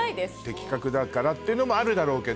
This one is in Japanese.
的確だからっていうのもあるだろうけど。